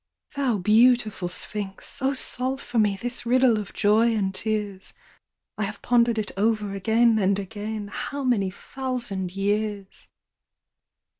Thou beautiful Sphinx, oh solve for me This riddle of joy and tears! I have pondered it over again and again, How many thousand years!"